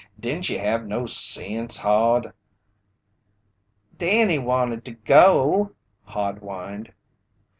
Didn't ye have no sense, Hod?" "Danny wanted to go," Hod whined.